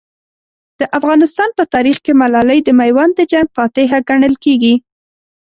د افغانستان په تاریخ کې ملالۍ د میوند د جنګ فاتحه ګڼل کېږي.